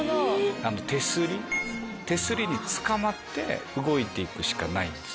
手すりにつかまって動いていくしかないんです。